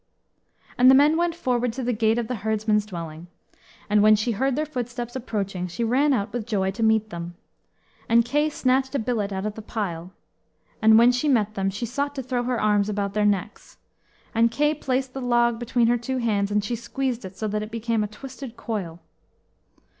And the men went forward to the gate of the herdsman's dwelling. And when she heard their footsteps approaching, she ran out with joy to meet them. And Kay snatched a billet out of the pile. And when she met them, she sought to throw her arms about their necks. And Kay placed the log between her two hands, and she squeezed it so that it became a twisted coil.